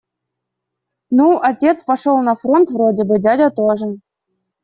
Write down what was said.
Ну, отец пошёл на фронт вроде бы, дядя тоже.